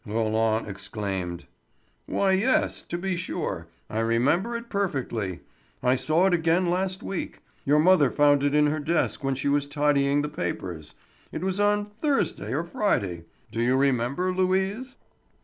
Roland exclaimed: "Why, yes, to be sure; I remember it perfectly. I saw it again last week. Your mother found it in her desk when she was tidying the papers. It was on Thursday or Friday. Do you remember, Louise?